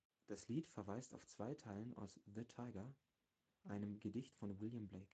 Das Lied verweist auf zwei Zeilen aus The Tyger, einem Gedicht von William Blake.